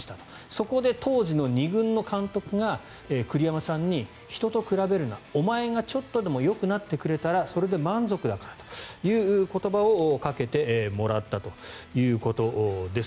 そこで当時の２軍の監督が栗山さんに人と比べるなお前がちょっとでもよくなってくれたらそれで満足だからという言葉をかけてもらったということです。